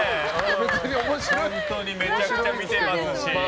本当にめちゃくちゃ見てますし。